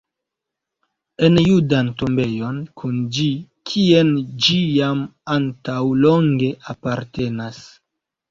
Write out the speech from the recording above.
En judan tombejon kun ĝi, kien ĝi jam antaŭ longe apartenas.